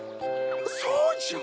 そうじゃ！